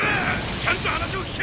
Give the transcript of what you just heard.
ちゃんと話を聞け！